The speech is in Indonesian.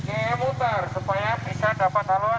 oke muter supaya bisa dapat aluan terkandung